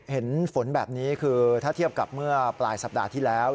เห็นฝนแบบนี้คือถ้าเทียบกับเมื่อปลายสัปดาห์ที่แล้ว